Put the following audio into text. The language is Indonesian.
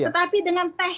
tetapi dengan teknik itu